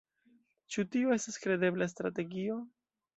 Ĉu tio estas kredebla strategio?